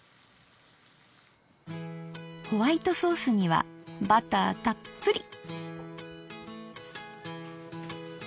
ホワイトソースにはバターたっぷり。